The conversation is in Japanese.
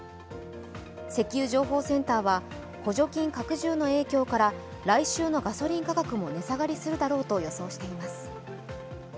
石油情報センターは補助金拡充の影響から来週のガソリン価格も値下がりするだろうと予想しています。